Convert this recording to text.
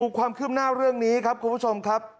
ความคืบหน้าเรื่องนี้ครับคุณผู้ชมครับ